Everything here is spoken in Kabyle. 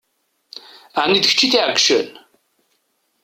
Ɛni d kečč i t-iɛeggcen?